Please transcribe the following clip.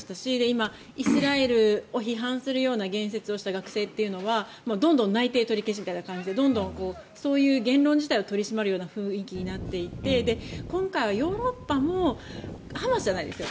今、イスラエルを否定するような言説をした学生は、どんどん内定を取り消しみたいな感じでどんんどん、そういう言論自体を取り締まるような雰囲気になっていて今回はヨーロッパもハマスじゃないですよ